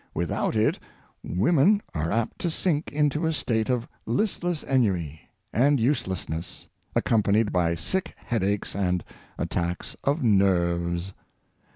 Without it women are apt to sink into a state of listless ennui and uselessness, accompanied by sick headache and attacks of "nerves."